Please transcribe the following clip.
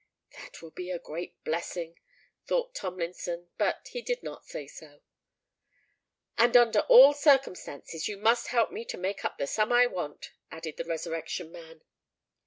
"That will be a great blessing," thought Tomlinson; but he did not say so. "And under all circumstances, you must help me to make up the sum I want," added the Resurrection Man.